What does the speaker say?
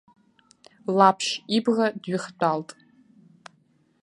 Лаԥшь ибӷа дҩыхтәалт.